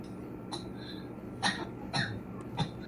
Su redactor era Hipólito Belmont.